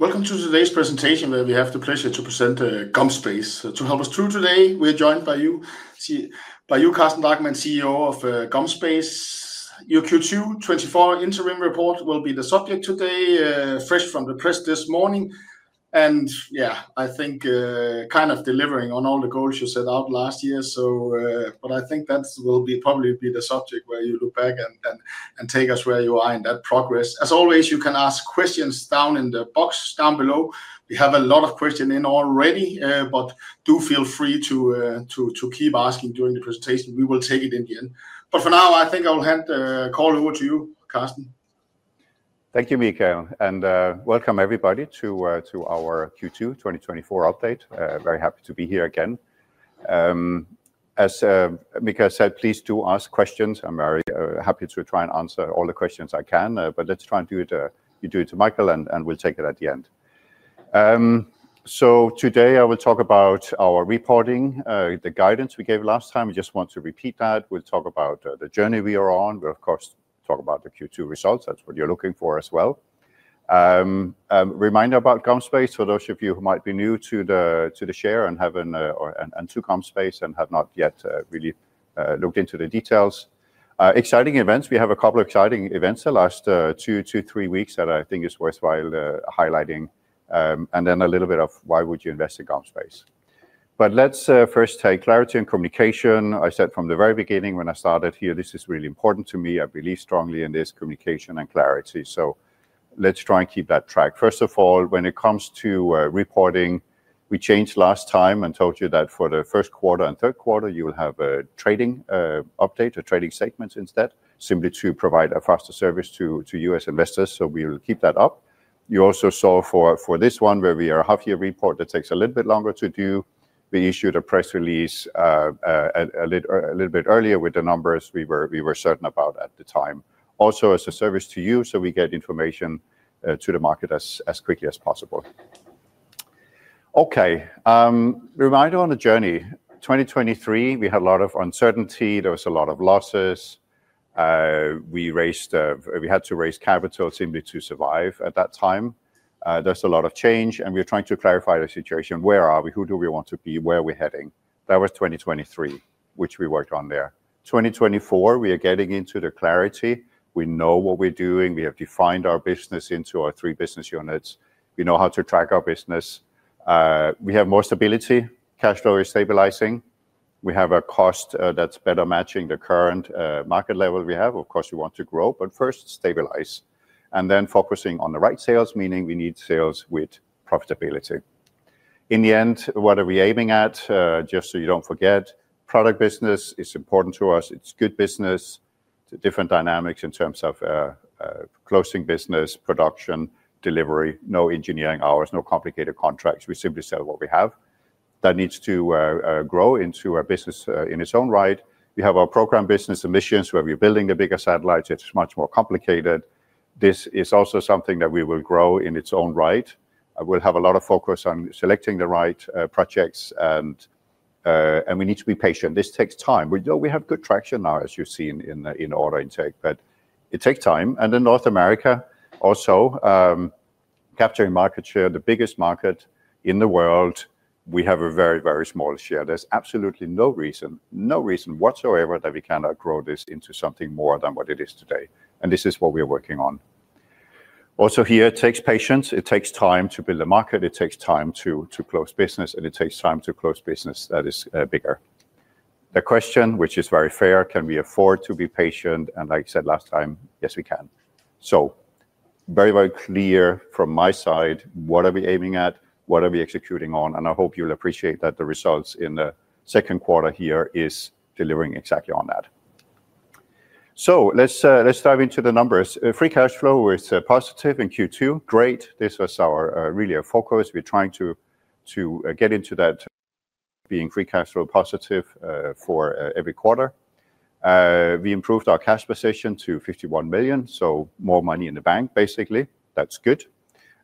Welcome to today's presentation, where we have the pleasure to present GomSpace. To help us through today, we're joined by you, Carsten Drachmann, CEO of GomSpace. Your Q2 2024 interim report will be the subject today, fresh from the press this morning, and I think delivering on all the goals you set out last year. I think that will probably be the subject where you look back and take us where you are in that progress. As always, you can ask questions down in the box down below. We have a lot of questions in already, but do feel free to keep asking during the presentation. We will take it in the end. For now, I think I will hand the call over to you, Carsten. Thank you, Michael, and welcome everybody to our Q2 2024 update. Very happy to be here again. As Michael said, please do ask questions. I'm very happy to try and answer all the questions I can, but let's try and do it to Michael, and we'll take it at the end. Today, I will talk about our reporting, the guidance we gave last time. We just want to repeat that. We'll talk about the journey we are on. We'll, of course, talk about the Q2 results. That's what you're looking for as well. Reminder about GomSpace, for those of you who might be new to the share and to GomSpace and have not yet really looked into the details. Exciting events. We have a couple of exciting events the last two to three weeks that I think is worthwhile highlighting. A little bit of why would you invest in GomSpace. Let's first take clarity and communication. I said from the very beginning when I started here, this is really important to me. I believe strongly in this communication and clarity, so let's try and keep that track. First of all, when it comes to reporting, we changed last time and told you that for the first quarter and third quarter, you will have a trading update or trading statements instead, simply to provide a faster service to you as investors. We will keep that up. You also saw for this one, where we are half-year report, that takes a little bit longer to do. We issued a press release a little bit earlier with the numbers we were certain about at the time. Also as a service to you, so we get information to the market as quickly as possible. Okay. Reminder on the journey. 2023, we had a lot of uncertainty. There was a lot of losses. We had to raise capital simply to survive at that time. There's a lot of change, and we are trying to clarify the situation. Where are we? Who do we want to be? Where are we heading? That was 2023, which we worked on there. 2024, we are getting into the clarity. We know what we're doing. We have defined our business into our three business units. We know how to track our business. We have more stability. Cash flow is stabilizing. We have a cost that's better matching the current market level we have. Of course, we want to grow, but first stabilize. Focusing on the right sales, meaning we need sales with profitability. In the end, what are we aiming at? Just so you don't forget, product business is important to us. It's good business. Different dynamics in terms of closing business, production, delivery, no engineering hours, no complicated contracts. We simply sell what we have. That needs to grow into a business in its own right. We have our program business and missions, where we are building the bigger satellites. It's much more complicated. This is also something that we will grow in its own right. We'll have a lot of focus on selecting the right projects, and we need to be patient. This takes time. We have good traction now, as you've seen in order intake. It takes time. In North America, also, capturing market share, the biggest market in the world, we have a very, very small share. There's absolutely no reason whatsoever that we cannot grow this into something more than what it is today. This is what we are working on. Also here, it takes patience. It takes time to build a market, it takes time to close business, and it takes time to close business that is bigger. The question, which is very fair, can we afford to be patient? Like you said last time, yes, we can. Very, very clear from my side, what are we aiming at? What are we executing on? I hope you'll appreciate that the results in the second quarter here is delivering exactly on that. Let's dive into the numbers. Free cash flow was positive in Q2. Great. This was really our focus. We're trying to get into that being free cash flow positive for every quarter. We improved our cash position to 51 million, so more money in the bank, basically. That's good.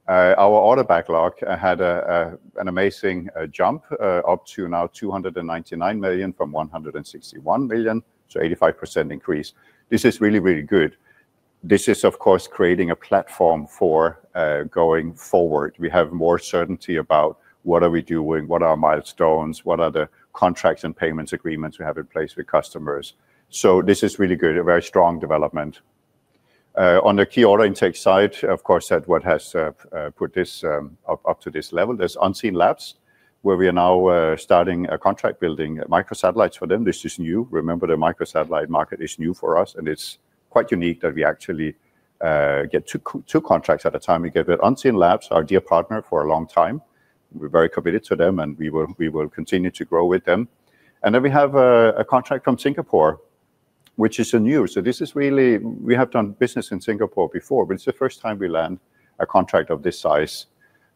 Our order backlog had an amazing jump up to now 299 million from 161 million, so 85% increase. This is really, really good. This is, of course, creating a platform for going forward. We have more certainty about what are we doing, what are our milestones, what are the contracts and payments agreements we have in place with customers. This is really good, a very strong development. On the key order intake side, of course, that what has put this up to this level. There's Unseenlabs, where we are now starting a contract building microsatellites for them. This is new. Remember, the microsatellite market is new for us, and it's quite unique that we actually get two contracts at a time. We get Unseenlabs, our dear partner for a long time. We're very committed to them, and we will continue to grow with them. We have a contract from Singapore, which is new. This is really, we have done business in Singapore before, but it's the first time we land a contract of this size.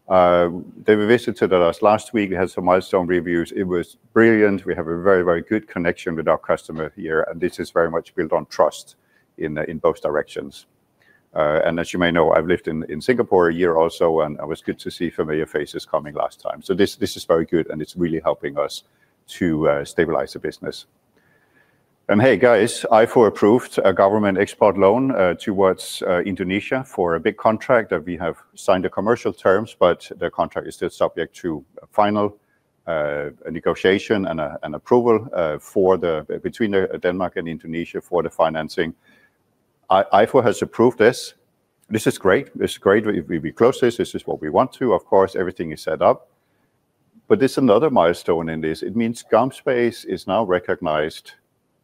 They visited us last week, had some milestone reviews. It was brilliant. We have a very, very good connection with our customer here, and this is very much built on trust in both directions. As you may know, I've lived in Singapore a year also, and it was good to see familiar faces coming last time. This is very good, and it's really helping us to stabilize the business. Hey, guys, EIFO approved a government export loan towards Indonesia for a big contract that we have signed the commercial terms, but the contract is still subject to final negotiation and approval between Denmark and Indonesia for the financing. EIFO has approved this. This is great. If we close this is what we want to, of course, everything is set up. There's another milestone in this. It means GomSpace is now recognized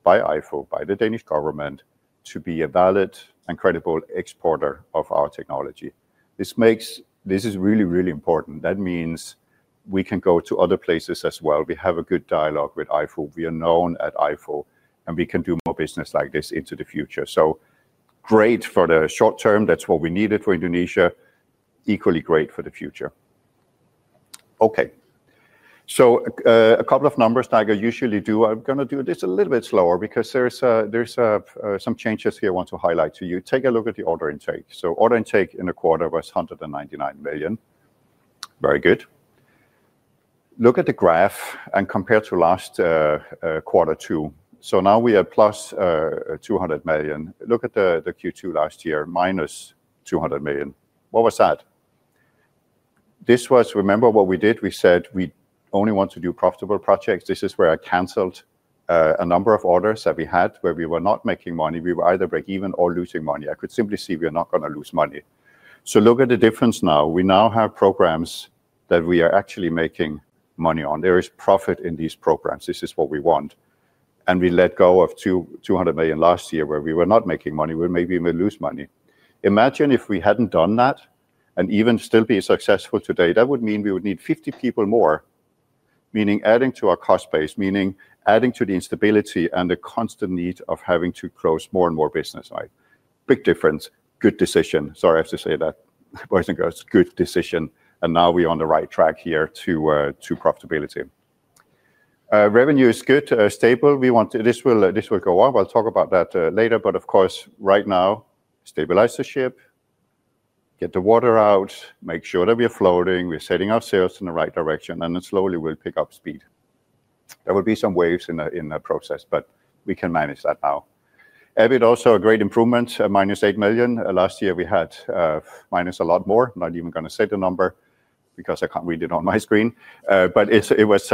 by EIFO, by the Danish government, to be a valid and credible exporter of our technology. This is really, really important. That means we can go to other places as well. We have a good dialogue with EIFO. We are known at EIFO, and we can do more business like this into the future. Great for the short term. That's what we needed for Indonesia. Equally great for the future. A couple of numbers like I usually do. I'm going to do this a little bit slower because there's some changes here I want to highlight to you. Take a look at the order intake. Order intake in the quarter was 199 million. Very good. Look at the graph and compare to last quarter too. Now we are plus 200 million. Look at the Q2 last year, -200 million. What was that? Remember what we did, we said we only want to do profitable projects. This is where I canceled a number of orders that we had where we were not making money. We were either break even or losing money. I could simply see we are not going to lose money. Look at the difference now. We now have programs that we are actually making money on. There is profit in these programs. This is what we want. We let go of 200 million last year where we were not making money, where maybe we lose money. Imagine if we hadn't done that and even still be successful today. That would mean we would need 50 people more, meaning adding to our cost base, meaning adding to the instability and the constant need of having to close more and more business. Big difference. Good decision. Sorry, I have to say that. I think that was a good decision, and now we're on the right track here to profitability. Revenue is good, stable. This will go up. I'll talk about that later, but of course, right now, stabilize the ship, get the water out, make sure that we are floating, we're setting our sails in the right direction, and then slowly we'll pick up speed. There will be some waves in that process, but we can manage that now. EBIT also a great improvement, -8 million. Last year, we had minus a lot more. Not even going to say the number because I can't read it on my screen. It's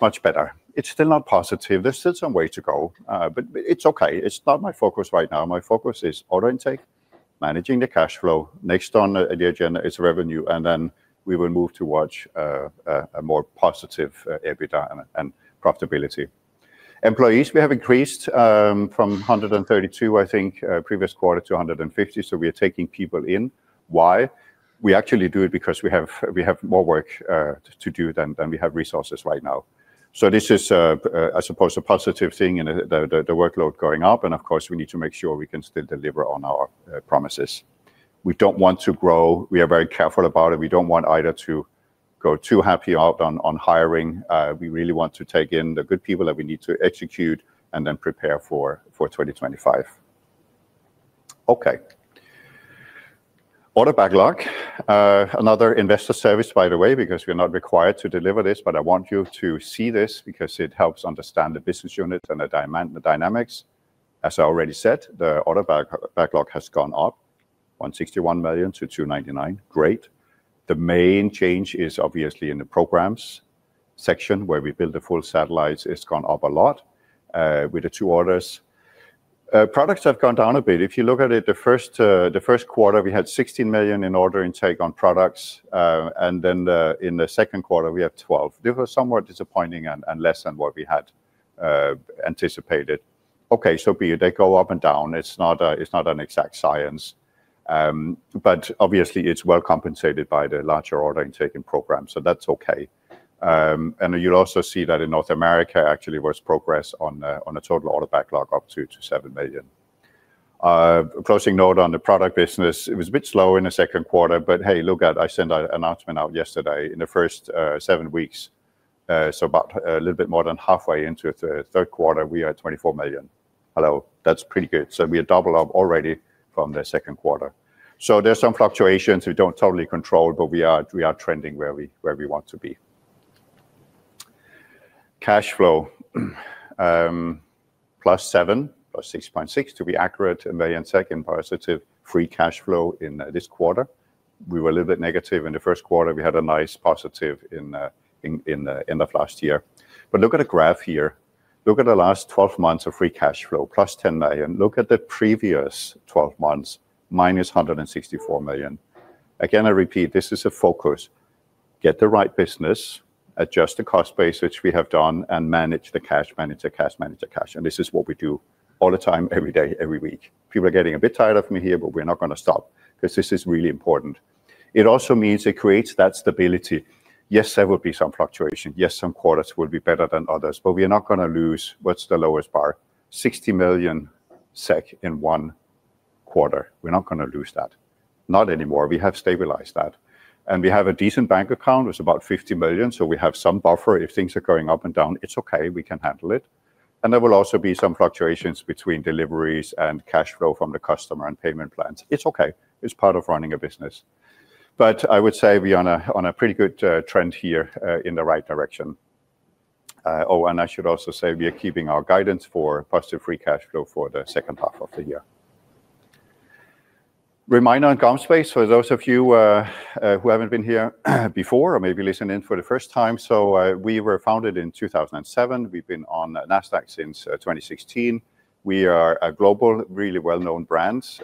much better. It's still not positive. There's still some way to go, but it's okay. It's not my focus right now. My focus is order intake, managing the cash flow. Next on the agenda is revenue, and then we will move to watch a more positive EBITDA and profitability. Employees, we have increased from 132, I think, previous quarter to 150. We are taking people in. Why? We actually do it because we have more work to do than we have resources right now. This is, I suppose, a positive thing in the workload going up, and of course, we need to make sure we can still deliver on our promises. We don't want to grow. We are very careful about it. We don't want either to go too happy out on hiring. We really want to take in the good people that we need to execute and then prepare for 2025. Okay. Order backlog. Another investor service, by the way, because we're not required to deliver this, but I want you to see this because it helps understand the business unit and the dynamics. As I already said, the order backlog has gone up, 161 million to 299 million. Great. The main change is obviously in the programs section where we build the full satellites. It's gone up a lot with the two orders. Products have gone down a bit. If you look at it, the first quarter, we had 16 million in order intake on products, and then in the second quarter, we have 12 million. They were somewhat disappointing and less than what we had anticipated. Okay, so be it. They go up and down. It's not an exact science. Obviously, it's well compensated by the larger order intake in program. That's okay. You'll also see that in North America, actually, was progress on a total order backlog up to 7 million. A closing note on the product business. It was a bit slow in the second quarter, but hey, look at, I sent an announcement out yesterday in the first seven weeks. About a little bit more than halfway into the third quarter, we are at 24 million. That's pretty good. We are double up already from the second quarter. There's some fluctuations we don't totally control, but we are trending where we want to be. Cash flow. +7 million, or 6.6 million to be accurate, in positive free cash flow in this quarter. We were a little bit negative in the first quarter. We had a nice positive in the end of last year. Look at the graph here. Look at the last 12 months of free cash flow, +10 million. Look at the previous 12 months, -164 million. Again, I repeat, this is a focus. Get the right business, adjust the cost base, which we have done, and manage the cash. This is what we do all the time, every day, every week. People are getting a bit tired of me here, but we're not going to stop because this is really important. It also means it creates that stability. Yes, there will be some fluctuation. Yes, some quarters will be better than others, but we are not going to lose, what's the lowest bar? 60 million SEK in one quarter. We're not going to lose that. Not anymore. We have stabilized that. We have a decent bank account with about 50 million, so we have some buffer. If things are going up and down, it's okay, we can handle it. There will also be some fluctuations between deliveries and cash flow from the customer and payment plans. It's okay. It's part of running a business. I would say we are on a pretty good trend here in the right direction. I should also say we are keeping our guidance for positive free cash flow for the second half of the year. Reminder on GomSpace for those of you who haven't been here before or maybe listening in for the first time. We were founded in 2007. We've been on Nasdaq since 2016. We are a global, really well-known brand.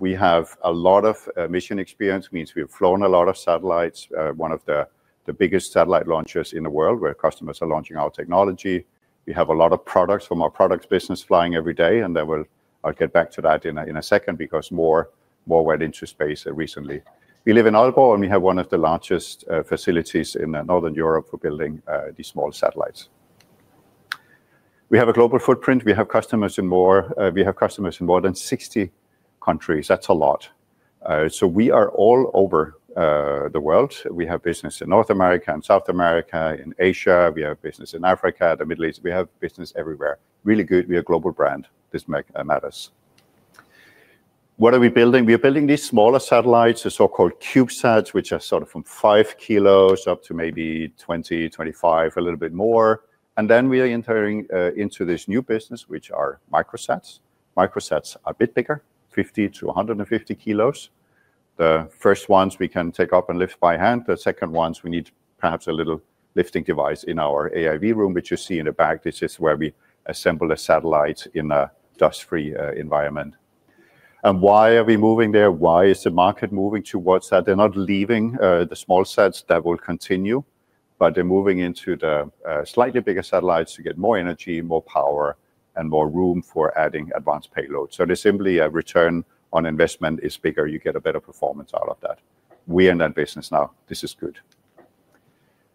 We have a lot of mission experience, means we have flown a lot of satellites. One of the biggest satellite launchers in the world, where customers are launching our technology. We have a lot of products from our products business flying every day, and I'll get back to that in a second because more went into space recently. We live in Aalborg, and we have one of the largest facilities in Northern Europe for building these small satellites. We have a global footprint. We have customers in more than 60 countries. That's a lot. We are all over the world. We have business in North America and South America, in Asia. We have business in Africa, the Middle East. We have business everywhere. Really good. We are a global brand. This matters. What are we building? We are building these smaller satellites, the so-called CubeSats, which are sort of from 5 kg up to maybe 20 kg, 25 kg, a little bit more. We are entering into this new business, which are microsats. Microsats are a bit bigger, 50 kg-150 kg. The first ones we can take up and lift by hand. The second ones, we need perhaps a little lifting device in our AIV room, which you see in the back. This is where we assemble a satellite in a dust-free environment. Why are we moving there? Why is the market moving towards that? They're not leaving the small sats, that will continue, but they're moving into the slightly bigger satellites to get more energy, more power, and more room for adding advanced payload. There's simply a return on investment is bigger. You get a better performance out of that. We are in that business now. This is good.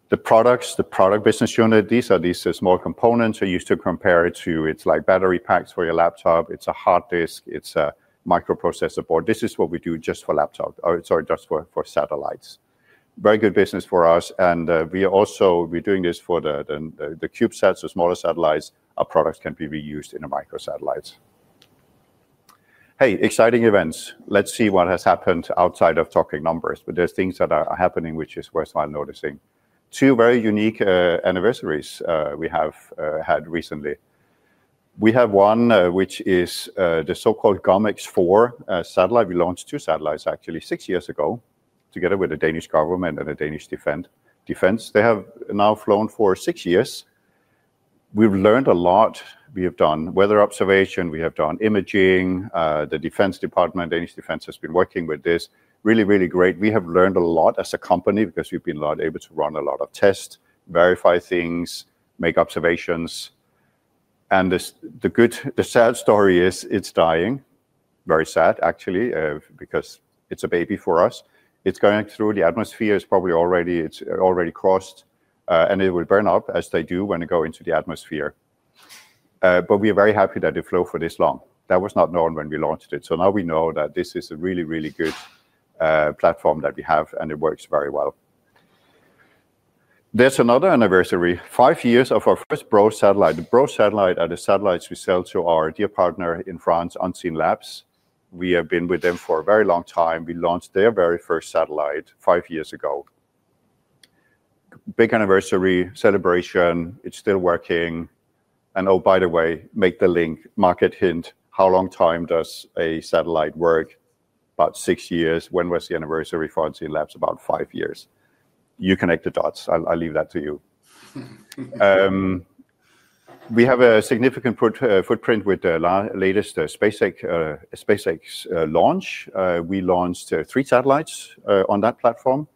The products, the Products Business Unit. These are small components you use to compare it to, it's like battery packs for your laptop. It's a hard disk. It's a microprocessor board. This is what we do just for satellites. Very good business for us. We are also doing this for the CubeSats, the smaller satellites. Our products can be reused in the microsatellites. Exciting events. Let's see what has happened outside of talking numbers. There's things that are happening which is worthwhile noticing. Two very unique anniversaries we have had recently. We have one which is the so-called GOMX-4 satellite. We launched two satellites actually six years ago together with the Danish government and the Danish Defence. They have now flown for six years. We've learned a lot. We have done weather observation. We have done imaging. The Defence Department, Danish Defence, has been working with this. Really, really great. We have learned a lot as a company because we've been able to run a lot of tests, verify things, make observations, and the sad story is it's dying. Very sad actually because it's a baby for us. It's going through the atmosphere. It's probably already crossed, and it will burn up as they do when they go into the atmosphere. We are very happy that it flew for this long. That was not known when we launched it. Now we know that this is a really, really good platform that we have, and it works very well. There's another anniversary, five years of our first BRO satellite. The BRO satellite are the satellites we sell to our dear partner in France, Unseenlabs. We have been with them for a very long time. We launched their very first satellite five years ago. Big anniversary celebration. It's still working. Oh, by the way, make the link. Market hint. How long time does a satellite work? About six years. When was the anniversary for Unseenlabs? About five years. You connect the dots. I'll leave that to you. We have a significant footprint with the latest SpaceX launch. We launched three satellites on that platform.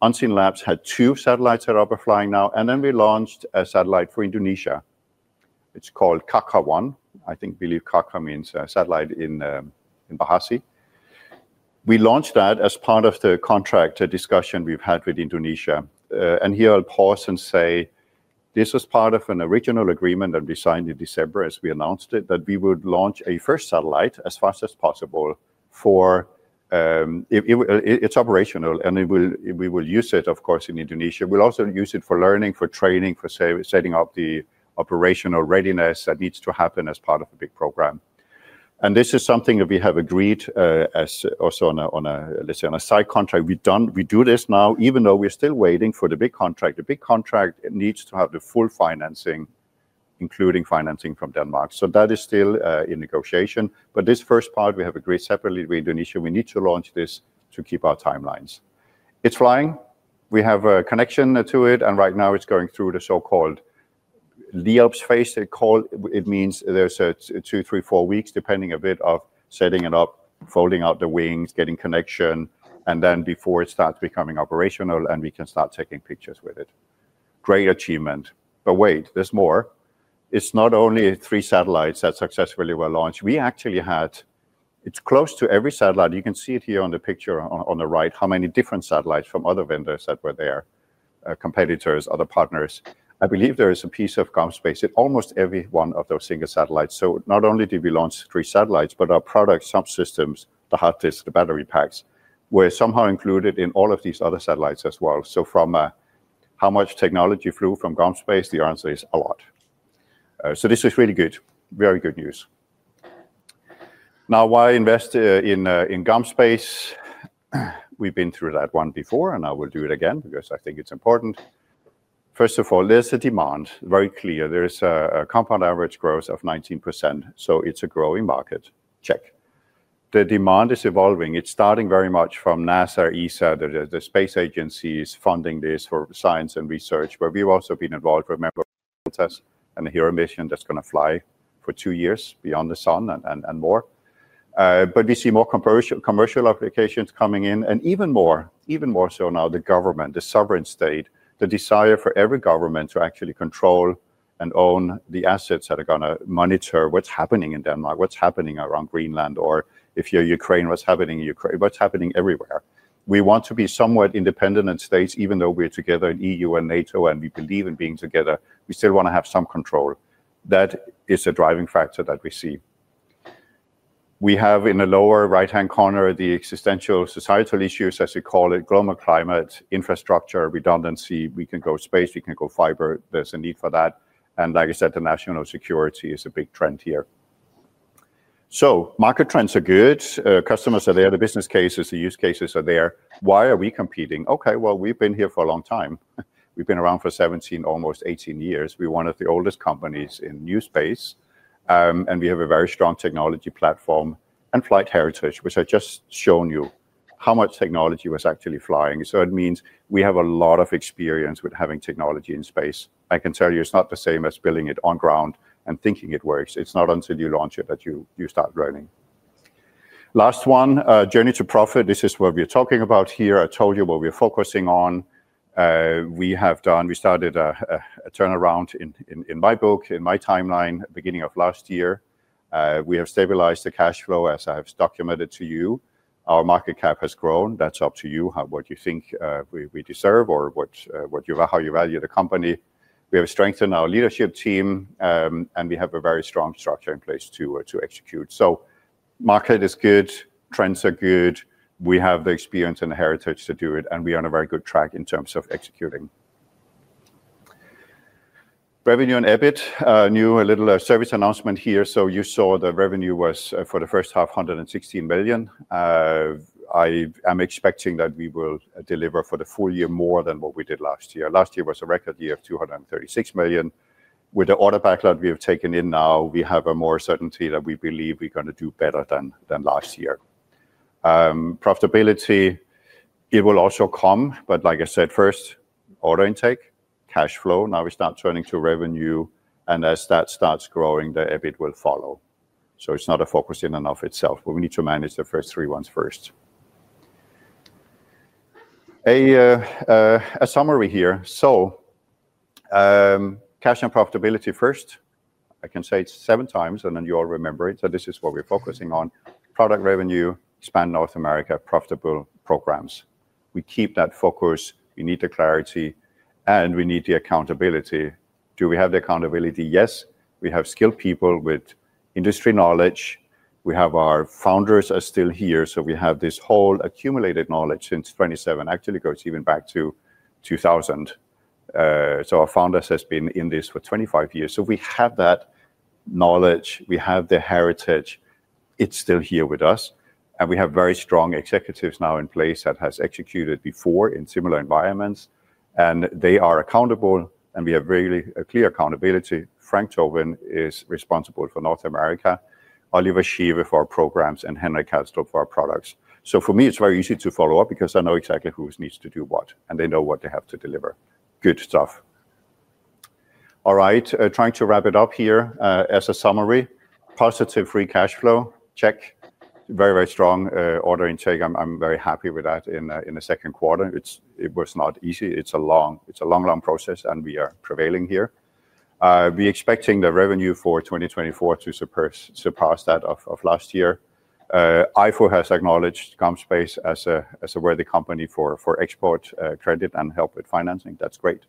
Unseenlabs had two satellites that are up and flying now, then we launched a satellite for Indonesia. It's called CAKRA-1. I think, believe CAKRA means satellite in Bahasa. We launched that as part of the contract discussion we've had with Indonesia. Here I'll pause and say this was part of an original agreement that we signed in December, as we announced it, that we would launch a first satellite as fast as possible. It's operational, and we will use it, of course, in Indonesia. We'll also use it for learning, for training, for setting up the operational readiness that needs to happen as part of a big program. This is something that we have agreed, as also on a side contract. We do this now, even though we're still waiting for the big contract. The big contract needs to have the full financing, including financing from Denmark. That is still in negotiation. This first part, we have agreed separately with Indonesia, we need to launch this to keep our timelines. It's flying. We have a connection to it, and right now it's going through the so-called LEOP phase. It means there's two, three, four weeks, depending a bit of setting it up, folding out the wings, getting connection, and then before it starts becoming operational and we can start taking pictures with it. Great achievement. Wait, there's more. It's not only three satellites that successfully were launched. We actually had. It's close to every satellite. You can see it here on the picture on the right, how many different satellites from other vendors that were there, competitors, other partners. I believe there is a piece of GomSpace in almost every one of those single satellites. Not only did we launch three satellites, but our product subsystems, the hard disk, the battery packs, were somehow included in all of these other satellites as well. From how much technology flew from GomSpace, the answer is a lot. This is really good. Very good news. Now, why invest in GomSpace? We've been through that one before, and I will do it again because I think it's important. First of all, there's a demand, very clear. There is a compound average growth of 19%, so it's a growing market. Check. The demand is evolving. It's starting very much from NASA, ESA, the space agencies funding this for science and research, where we've also been involved with member tests and the Hera mission that's going to fly for two years beyond the sun and more. We see more commercial applications coming in and even more so now the government, the sovereign state, the desire for every government to actually control and own the assets that are going to monitor what's happening in Denmark, what's happening around Greenland, or if you're Ukraine, what's happening in Ukraine, what's happening everywhere. We want to be somewhat independent in states, even though we're together in EU and NATO and we believe in being together, we still want to have some control. That is a driving factor that we see. We have in the lower right-hand corner, the existential societal issues, as we call it, global climate, infrastructure, redundancy. We can go space, we can go fiber. There's a need for that. Like I said, the national security is a big trend here. Market trends are good. Customers are there. The business cases, the use cases are there. Why are we competing? Okay. Well, we've been here for a long time. We've been around for 17, almost 18 years. We're one of the oldest companies in new space. We have a very strong technology platform and flight heritage, which I've just shown you how much technology was actually flying. It means we have a lot of experience with having technology in space. I can tell you it's not the same as building it on ground and thinking it works. It's not until you launch it that you start learning. Last one, journey to profit. This is what we're talking about here. I told you what we're focusing on. We started a turnaround in my book, in my timeline, beginning of last year. We have stabilized the cash flow as I've documented to you. Our market cap has grown. That's up to you what you think we deserve or how you value the company. We have strengthened our leadership team, and we have a very strong structure in place to execute. Market is good. Trends are good. We have the experience and the heritage to do it, and we are on a very good track in terms of executing. Revenue and EBIT. A little service announcement here. You saw the revenue was for the first half, 116 million. I am expecting that we will deliver for the full year more than what we did last year. Last year was a record year of 236 million. With the order backlog we have taken in now, we have a more certainty that we believe we are going to do better than last year. Profitability, it will also come, but like I said, first order intake, cash flow. Now we start turning to revenue, and as that starts growing, the EBIT will follow. It's not a focus in and of itself. We need to manage the first three ones first. A summary here. Cash and profitability first. I can say it seven times and then you all remember it. This is what we are focusing on. Product revenue, expand North America, profitable programs. We keep that focus. We need the clarity and we need the accountability. Do we have the accountability? Yes. We have skilled people with industry knowledge. We have our founders are still here, so we have this whole accumulated knowledge since 2007. Actually, it goes even back to 2000. Our founders has been in this for 25 years. We have that knowledge. We have the heritage. It's still here with us. We have very strong executives now in place that has executed before in similar environments, and they are accountable, and we have really a clear accountability. Frank Tobin is responsible for North America, Oliver Schiewe for our programs, and Henrik Kalstrup for our products. For me, it's very easy to follow up because I know exactly who needs to do what, and they know what they have to deliver. Good stuff. All right. Trying to wrap it up here. As a summary, positive free cash flow, check. Very, very strong order intake. I'm very happy with that in the second quarter. It was not easy. It's a long, long process and we are prevailing here. We're expecting the revenue for 2024 to surpass that of last year. EIFO has acknowledged GomSpace as a worthy company for export credit and help with financing. That's great.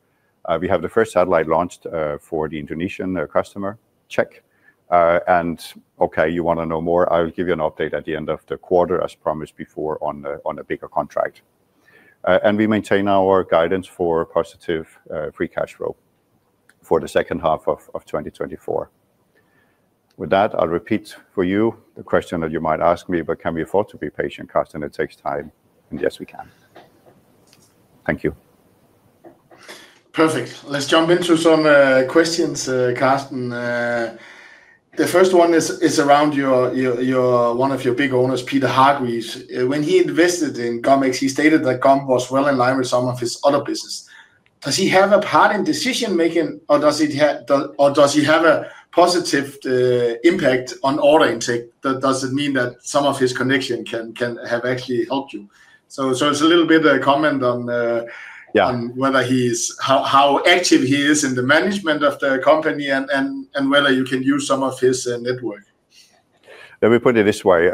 We have the first satellite launched for the Indonesian customer. Check. Okay, you want to know more. I will give you an update at the end of the quarter, as promised before on a bigger contract. We maintain our guidance for positive free cash flow for the second half of 2024. With that, I'll repeat for you the question that you might ask me, but can we afford to be patient, Carsten? It takes time. Yes, we can. Thank you. Perfect. Let's jump into some questions, Carsten. The first one is around one of your big owners, Peter Hargreaves. When he invested in GomSpace, he stated that Gom was well in line with some of his other business. Does he have a part in decision-making, or does he have a positive impact on order intake? Does it mean that some of his connection can have actually helped you? It's a little bit a comment on how active he is in the management of the company and whether you can use some of his network. Let me put it this way.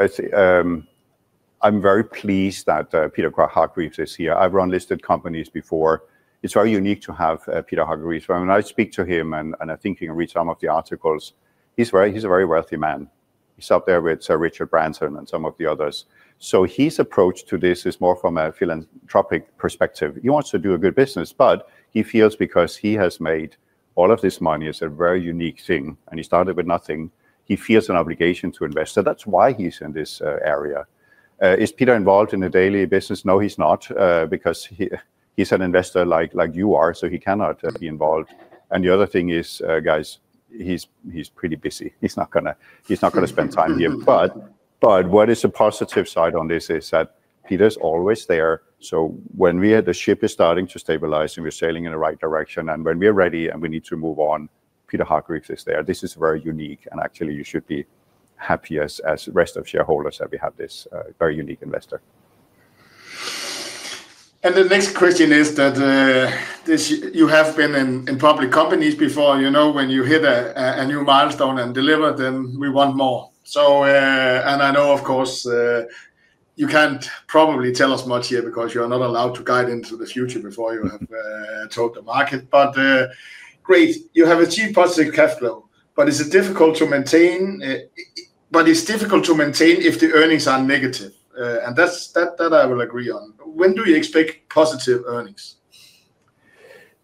I'm very pleased that Peter Hargreaves is here. I've run listed companies before. It's very unique to have Peter Hargreaves. When I speak to him, and I think you can read some of the articles, he's a very wealthy man. He's up there with Sir Richard Branson and some of the others. His approach to this is more from a philanthropic perspective. He wants to do a good business, but he feels because he has made all of this money, it's a very unique thing, and he started with nothing. He feels an obligation to invest, so that's why he's in this area. Is Peter involved in the daily business? No, he's not, because he's an investor like you are, so he cannot be involved. The other thing is, guys, he's pretty busy. He's not going to spend time here. What is a positive side on this is that Peter's always there. When the ship is starting to stabilize and we're sailing in the right direction, and when we're ready and we need to move on, Peter Hargreaves is there. This is very unique, and actually you should be happy as rest of shareholders that we have this very unique investor. The next question is that you have been in public companies before. When you hit a new milestone and deliver, then we want more. I know, of course, you can't probably tell us much here because you are not allowed to guide into the future before you have told the market. Great, you have achieved positive cash flow, but it's difficult to maintain if the earnings are negative. That I will agree on. When do you expect positive earnings?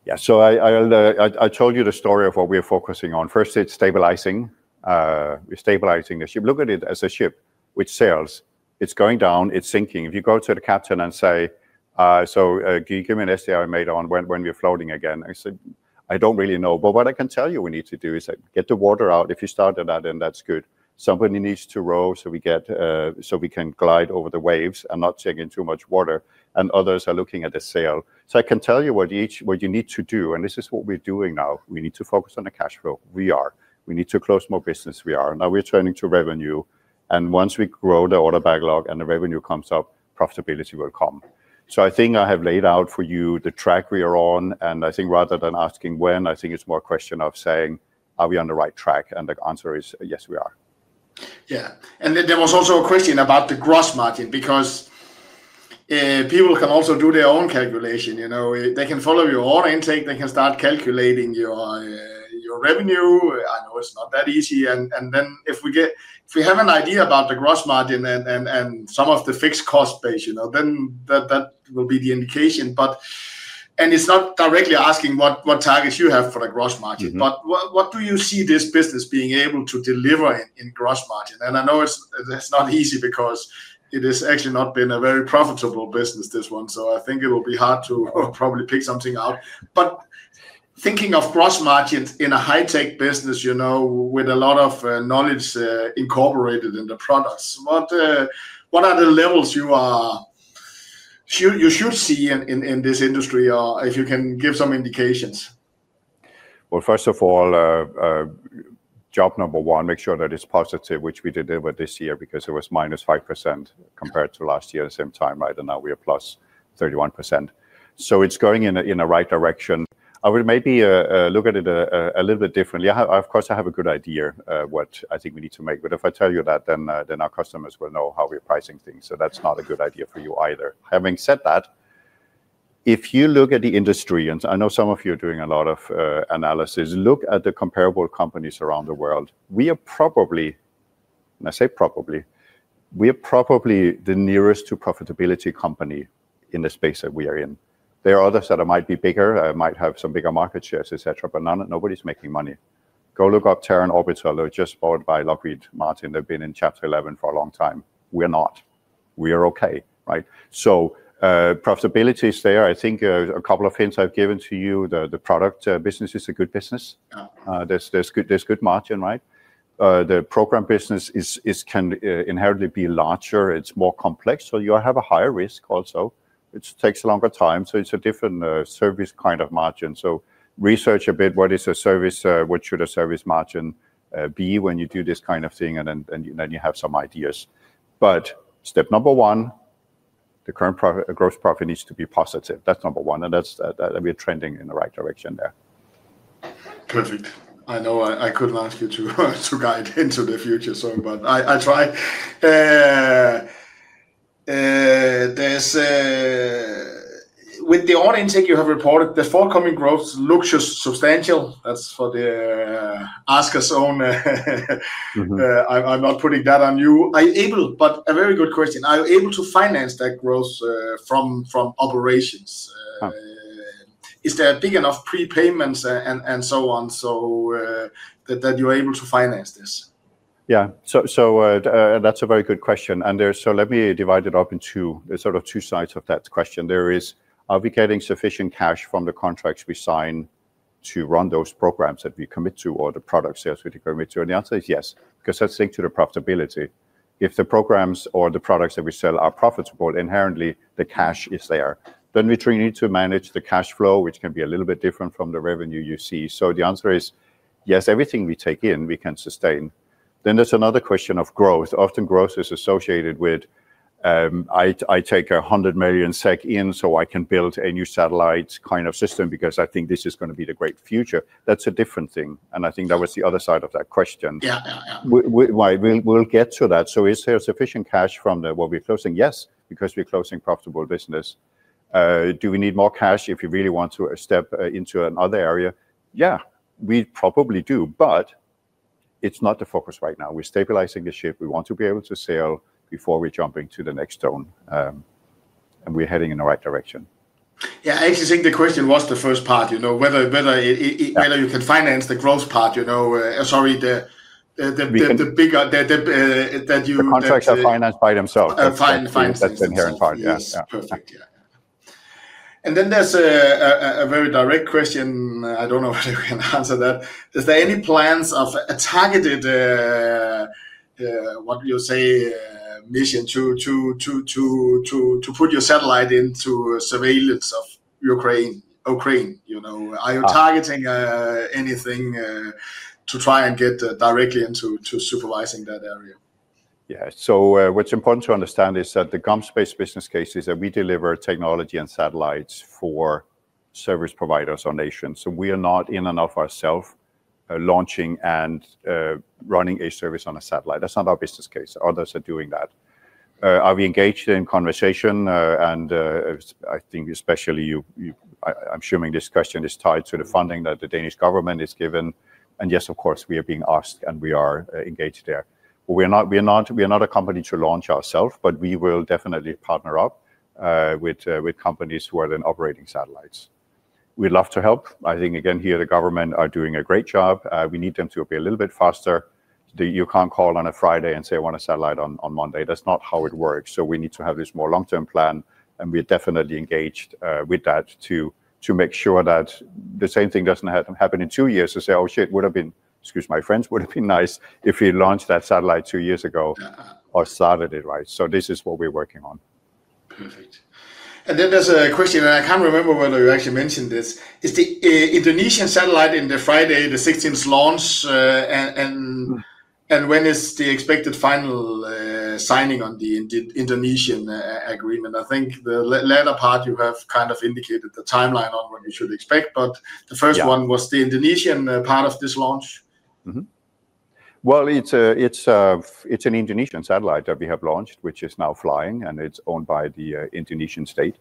Yeah. I told you the story of what we are focusing on. First, it's stabilizing. We're stabilizing the ship. Look at it as a ship, which sails. It's going down. It's sinking. If you go to the captain and say, "So, can you give me an estimate on when we're floating again?" I said, "I don't really know but what I can tell you we need to do is get the water out. If you start on that, then that's good. Somebody needs to row, so we can glide over the waves and not take in too much water, and others are looking at the sail." I can tell you what you need to do, and this is what we're doing now. We need to focus on the cash flow. We are. We need to close more business. We are. Now we're turning to revenue. Once we grow the order backlog and the revenue comes up, profitability will come. I think I have laid out for you the track we are on, and I think rather than asking when, I think it's more a question of saying, are we on the right track? The answer is, yes, we are. Yeah. There was also a question about the gross margin, because people can also do their own calculation. They can follow your order intake, they can start calculating your revenue. I know it's not that easy. If we have an idea about the gross margin and some of the fixed cost base, then that will be the indication. It's not directly asking what targets you have for the gross margin. What do you see this business being able to deliver in gross margin? I know that's not easy because it has actually not been a very profitable business, this one. I think it will be hard to probably pick something out. Thinking of gross margin in a high-tech business with a lot of knowledge incorporated in the products, what are the levels you should see in this industry, or if you can give some indications? Well, first of all, job number one, make sure that it's positive, which we delivered this year because it was -5% compared to last year the same time. Right now, we are +31%. It's going in the right direction. I would maybe look at it a little bit differently. Of course, I have a good idea what I think we need to make, but if I tell you that, then our customers will know how we're pricing things. That's not a good idea for you either. Having said that, if you look at the industry, and I know some of you are doing a lot of analysis, look at the comparable companies around the world. We are probably, and I say probably, we are probably the nearest to profitability company in the space that we are in. There are others that might be bigger, might have some bigger market shares, et cetera, but nobody's making money. Go look up Terran Orbital, although just bought by Lockheed Martin. They've been in Chapter 11 for a long time. We're not. We are okay. Right? Profitability is there. I think a couple of hints I've given to you, the product business is a good business. Yeah. There's good margin, right? The program business can inherently be larger. It's more complex. You have a higher risk also, which takes a longer time. It's a different service kind of margin. Research a bit what is a service, what should a service margin be when you do this kind of thing, and then you have some ideas. Step number one, the current gross profit needs to be positive. That's number one, and we are trending in the right direction there. Perfect. I know I couldn't ask you to guide into the future, so but I try. With the order intake you have reported, the forthcoming growth looks substantial. That's for the askers own. I'm not putting that on you. A very good question. Are you able to finance that growth from operations? Yeah. Is there big enough prepayments and so on so that you're able to finance this? Yeah. That's a very good question. Let me divide it up into sort of two sides of that question. There is, are we getting sufficient cash from the contracts we sign to run those programs that we commit to, or the product sales that we commit to? The answer is yes, because let's think to the profitability. If the programs or the products that we sell are profitable, inherently the cash is there. We need to manage the cash flow, which can be a little bit different from the revenue you see. The answer is, yes, everything we take in, we can sustain. There's another question of growth. Often growth is associated with, I take 100 million SEK in so I can build a new satellite kind of system because I think this is going to be the great future. That's a different thing, and I think that was the other side of that question. Yeah. We'll get to that. Is there sufficient cash from what we're closing? Yes, because we're closing profitable business. Do we need more cash if you really want to step into another area? Yeah. We probably do, but it's not the focus right now. We're stabilizing the ship. We want to be able to sail before we jump into the next zone. We're heading in the right direction. Yeah, I actually think the question was the first part, whether you can finance the growth part. The contracts are financed by themselves. Financed themselves. That's the inherent part. Yeah. Yes. Perfect. Yeah. There's a very direct question. I don't know if you can answer that. Is there any plans of a targeted, what you say, mission to put your satellite into surveillance of Ukraine? Are you targeting anything to try and get directly into supervising that area? Yeah. What's important to understand is that the GomSpace business case is that we deliver technology and satellites for service providers or nations. We are not in and of ourselves launching and running a service on a satellite. That's not our business case. Others are doing that. Are we engaged in conversation? I think especially, I'm assuming this question is tied to the funding that the Danish government has given, and yes, of course, we are being asked, and we are engaged there. We are not a company to launch ourselves, but we will definitely partner up with companies who are then operating satellites. We'd love to help. I think again, here, the government are doing a great job. We need them to be a little bit faster. You can't call on a Friday and say, "I want a satellite on Monday." That's not how it works. We need to have this more long-term plan, and we are definitely engaged with that to make sure that the same thing doesn't happen in two years to say, "Oh, shit, would've been," excuse my French, "would've been nice if we launched that satellite two years ago or started it." This is what we're working on. Perfect. There's a question, I can't remember whether you actually mentioned this. Is the Indonesian satellite in the Friday, the 16th launch, and when is the expected final signing on the Indonesian agreement? I think the latter part you have kind of indicated the timeline on when we should expect. The first one. Yeah. Was the Indonesian part of this launch? Well, it's an Indonesian satellite that we have launched, which is now flying, and it's owned by the Indonesian state.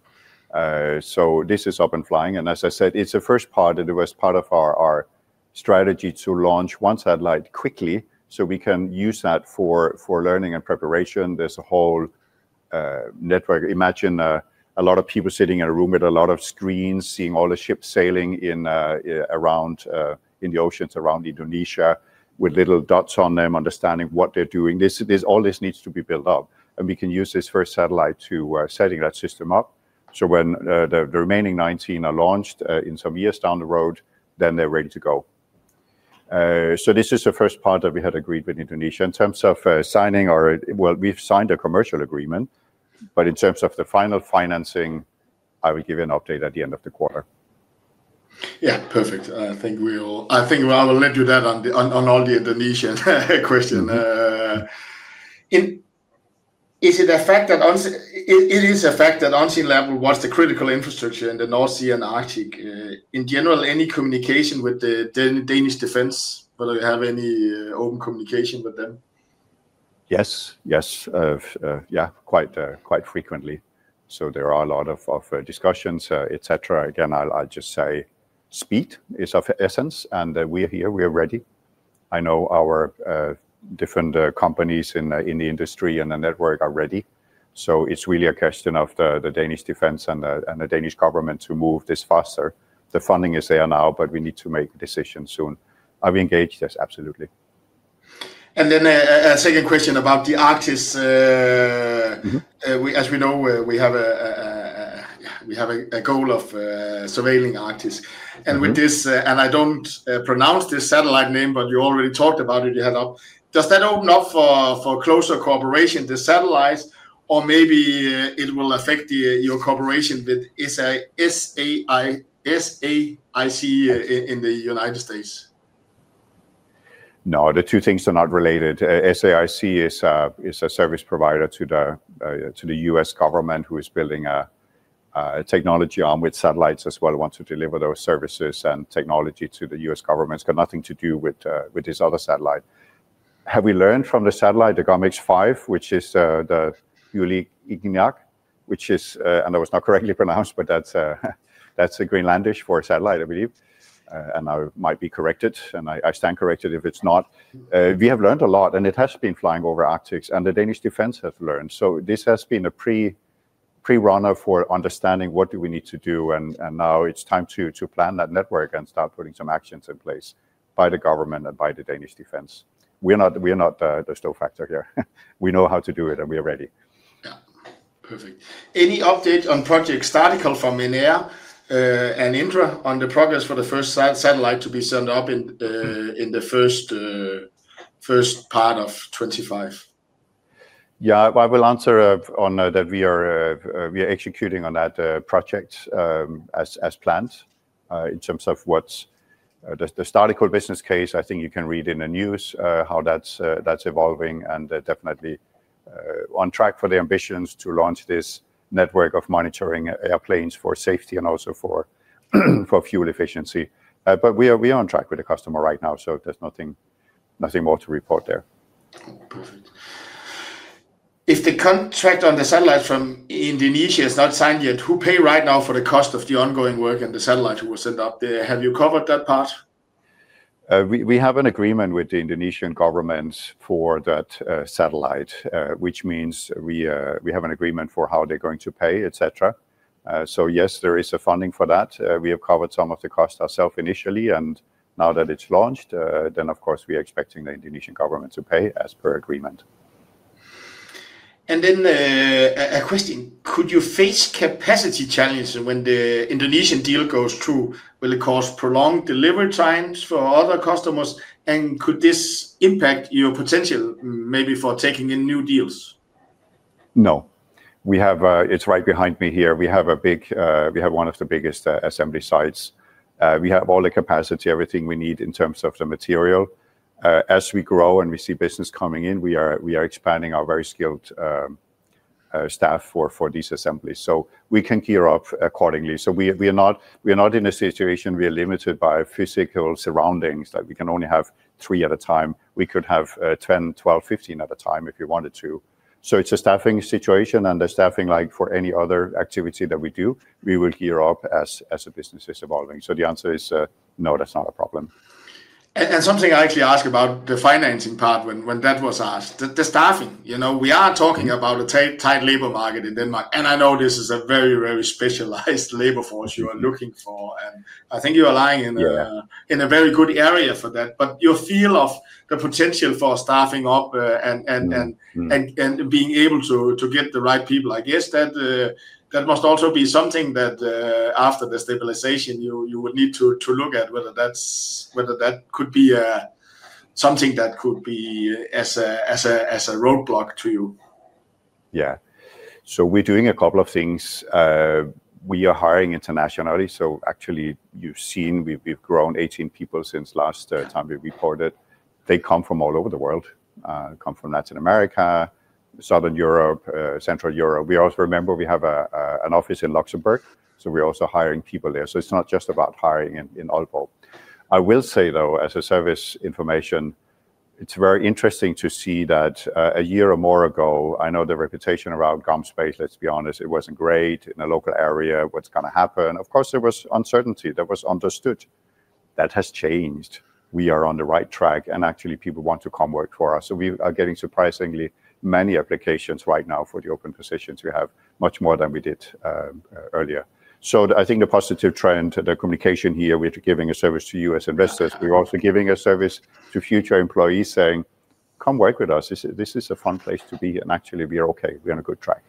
This is up and flying, and as I said, it's the first part. It was part of our strategy to launch one satellite quickly so we can use that for learning and preparation. There's a whole network. Imagine a lot of people sitting in a room with a lot of screens, seeing all the ships sailing in the oceans around Indonesia with little dots on them, understanding what they're doing. All this needs to be built up, and we can use this first satellite to setting that system up, so when the remaining 19 are launched in some years down the road, then they're ready to go. This is the first part that we had agreed with Indonesia. In terms of signing or, well, we've signed a commercial agreement, but in terms of the final financing, I will give you an update at the end of the quarter. Yeah. Perfect. I think I will let you that on all the Indonesian question. It is a fact that Unseenlabs will watch the critical infrastructure in the North Sea and Arctic. In general, any communication with the Danish Defence, whether you have any open communication with them? Yeah. Quite frequently. There are a lot of discussions, et cetera. Again, I'll just say speed is of essence, and we are here, we are ready. I know our different companies in the industry and the network are ready. It's really a question of the Danish Defence and the Danish government to move this faster. The funding is there now, but we need to make a decision soon. Are we engaged? Yes, absolutely. A second question about the Arctic. As we know, we have a goal of surveilling Arctic. I don't pronounce the satellite name, but you already talked about it, you had up. Does that open up for closer cooperation to satellites, or maybe it will affect your cooperation with SAIC in the United States? No, the two things are not related. SAIC is a service provider to the U.S. government who is building a technology arm with satellites as well. It wants to deliver those services and technology to the U.S. government. It's got nothing to do with this other satellite. Have we learned from the satellite, the GOMX-4, which is the Ulloriaq. That was not correctly pronounced, but that's the Greenlandic for satellite, I believe. I might be corrected, and I stand corrected if it's not. We have learned a lot, and it has been flying over Arctics, and the Danish Defence have learned. This has been a pre-runner for understanding what do we need to do, and now it's time to plan that network and start putting some actions in place by the government and by the Danish Defence. We are not the snow factor here. We know how to do it, and we are ready. Yeah. Perfect. Any update on Project Startical from ENAIRE and Indra on the progress for the first satellite to be sent up in the first part of 2025? I will answer on that. We are executing on that project as planned. In terms of the Startical business case, I think you can read in the news how that's evolving and definitely on track for the ambitions to launch this network of monitoring airplanes for safety and also for fuel efficiency. We are on track with the customer right now, so there's nothing more to report there. If the contract on the satellite from Indonesia is not signed yet, who pay right now for the cost of the ongoing work and the satellite who was sent up there? Have you covered that part? We have an agreement with the Indonesian government for that satellite, which means we have an agreement for how they're going to pay, et cetera. Yes, there is a funding for that. We have covered some of the cost ourselves initially, and now that it's launched, then of course, we are expecting the Indonesian government to pay as per agreement. A question. Could you face capacity challenges when the Indonesian deal goes through? Will it cause prolonged delivery times for other customers? Could this impact your potential maybe for taking in new deals? No. It's right behind me here. We have one of the biggest assembly sites. We have all the capacity, everything we need in terms of the material. As we grow and we see business coming in, we are expanding our very skilled staff for these assemblies, so we can gear up accordingly. We are not in a situation we are limited by physical surroundings, like we can only have three at a time. We could have 10, 12, 15 at a time if we wanted to. It's a staffing situation, and the staffing, like for any other activity that we do, we will gear up as the business is evolving. The answer is, no, that's not a problem. Something I actually asked about the financing part when that was asked. The staffing. We are talking about a tight labor market in Denmark, and I know this is a very, very specialized labor force you are looking for. Yeah. I think you are lying in a very good area for that. Your feel of the potential for staffing up and being able to get the right people, I guess that must also be something that, after the stabilization, you would need to look at whether that could be something that could be as a roadblock to you. Yeah. We're doing a couple of things. We are hiring internationally, so actually you've seen we've grown 18 people since last time we reported. They come from all over the world, come from Latin America, Southern Europe, Central Europe. Remember we have an office in Luxembourg, so we're also hiring people there. It's not just about hiring in Aalborg. I will say, though, as a service information, it's very interesting to see that a year or more ago, I know the reputation around GomSpace, let's be honest, it wasn't great in the local area. What's going to happen? Of course, there was uncertainty. That was understood. That has changed. We are on the right track and actually people want to come work for us. We are getting surprisingly many applications right now for the open positions we have, much more than we did earlier. I think the positive trend, the communication here, we're giving a service to you as investors. We're also giving a service to future employees saying, "Come work with us. This is a fun place to be, and actually, we are okay. We're on a good track."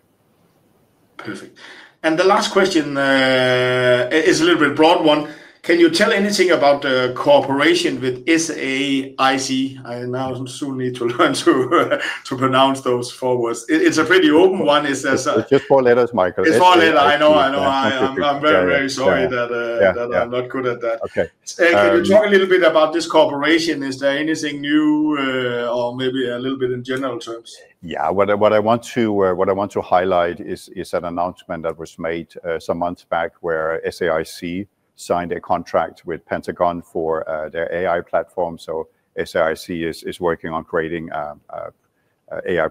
Perfect. The last question is a little bit broad one. Can you tell anything about the cooperation with SAIC? I now soon need to learn to pronounce those four words. It's a pretty open one. It's just four letters, Michael. SAIC. It's four letters, I know. Yeah. I'm very, very sorry that I'm not good at that. Okay. Can you talk a little bit about this cooperation? Is there anything new or maybe a little bit in general terms? Yeah. What I want to highlight is an announcement that was made some months back where SAIC signed a contract with Pentagon for their AI platform. SAIC is working on creating a AI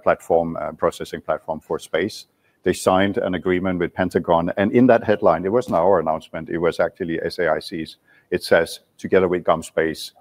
processing platform for space. They signed an agreement with Pentagon, and in that headline, it was not our announcement, it was actually SAIC's. It says, "Together with GomSpace,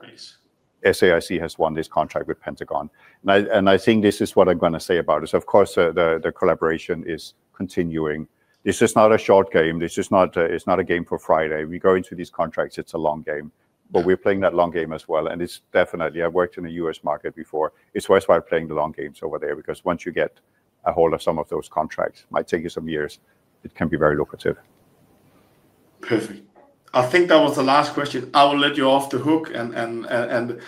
SAIC has won this contract with Pentagon." I think this is what I'm going to say about this. Of course, the collaboration is continuing. This is not a short game. This is not a game for Friday. We go into these contracts, it's a long game. We're playing that long game as well, it's definitely, I've worked in the U.S. market before. It's worthwhile playing the long games over there because once you get a hold of some of those contracts, might take you some years, it can be very lucrative. Perfect. I think that was the last question. I will let you off the hook, and thank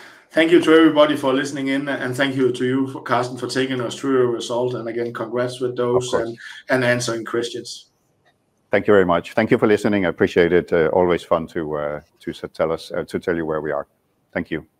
you to everybody for listening in, and thank you to you, Carsten, for taking us through your results. Again, congrats with those in answering questions. Of course. Thank you very much. Thank you for listening. I appreciate it. Always fun to tell you where we are. Thank you. Bye-bye.